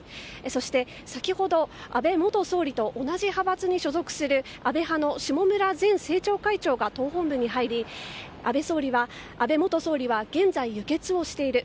そして、先ほど安倍元総理と同じ派閥に所属する安倍派の下村前政調会長が党本部に入り安倍元総理は現在、輸血をしている。